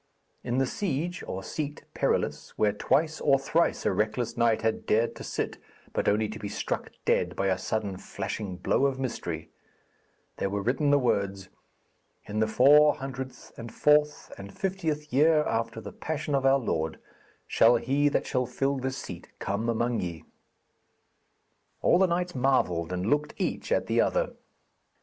In the Siege, or Seat, Perilous, where twice or thrice a reckless knight had dared to sit, but only to be struck dead by a sudden flashing blow of mystery, there were written the words, 'In the four hundredth and fourth and fiftieth year after the passion of our Lord, shall he that shall fill this seat come among ye.' All the knights marvelled and looked each at the other.